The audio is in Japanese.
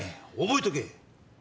覚えとけ！